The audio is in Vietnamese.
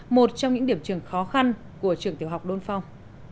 một trong những điểm trường khó khăn của trường tiểu học đôn phong